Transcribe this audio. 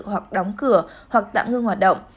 hoặc đóng cửa hoặc tạm ngưng hoạt động